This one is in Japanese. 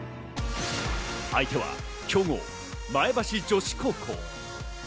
相手は強豪・前橋女子高校。